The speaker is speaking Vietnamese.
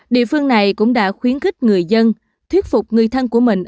địa phương này cũng đã khuyến khích người dân thuyết phục người thân của mình